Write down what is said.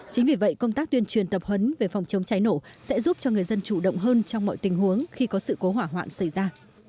chính vì vậy công tác tuyên truyền tập huấn về phòng chống cháy nổ sẽ giúp cho người dân chủ động hơn trong mọi tình huống khi có sự cố hỏa hoạn xảy ra